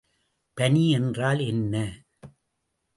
பனி என்றால் என்ன?